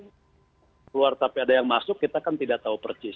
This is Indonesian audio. keluar tapi ada yang masuk kita kan tidak tahu persis